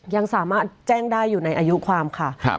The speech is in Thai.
ยังสามารถแจ้งได้อยู่ในอายุความค่ะ